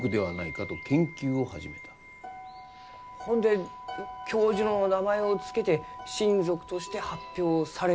ほんで教授の名前を付けて新属として発表されようと？